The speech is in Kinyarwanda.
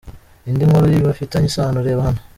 Indi nkuru bifitanye isano: Reba hano :